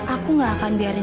aku gak akan biarkan